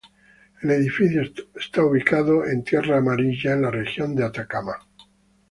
El edificio está ubicado en Tierra Amarilla en la Región de Atacama.